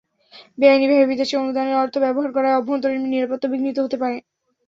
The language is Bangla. বেআইনিভাবে বিদেশি অনুদানের অর্থ ব্যবহার করায় অভ্যন্তরীণ নিরাপত্তা বিঘ্নিত হতে পারে।